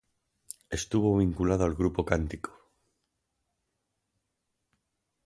Estuvo vinculado al Grupo Cántico.